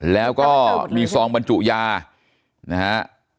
แล้วก็มีซองบรรจุยานะฮะ